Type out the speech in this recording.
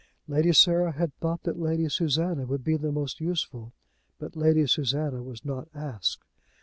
Lady Sarah had thought that Lady Susanna would be the most useful. But Lady Susanna was not asked.